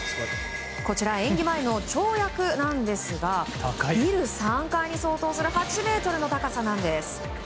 こちら、演技前の跳躍なんですがビル３階に相当する８ｍの高さなんです。